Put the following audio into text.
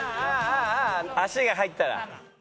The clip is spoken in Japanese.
足が入ったら。